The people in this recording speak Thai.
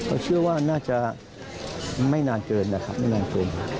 ก็เชื่อว่าน่าจะไม่นานเกินนะครับไม่นานเกิน